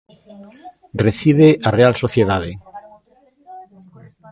Recibe a Real Sociedade.